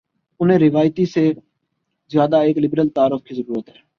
انہیں روایتی سے زیادہ ایک لبرل تعارف کی ضرت ہے۔